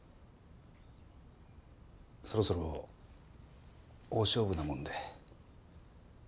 そろそろ大勝負なもんで。